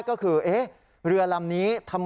คุณผู้ชมไปฟังเธอธิบายแล้วกันนะครับ